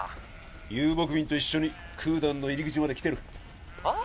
遊牧民と一緒にクーダンの入り口まで来てる☎はあ？